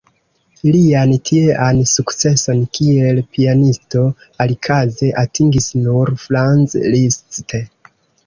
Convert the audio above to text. Lian tiean sukceson kiel pianisto alikaze atingis nur Franz Liszt.